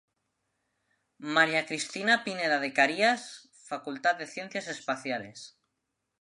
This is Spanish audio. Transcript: María Cristina Pineda de Carías, Facultad de Ciencias Espaciales.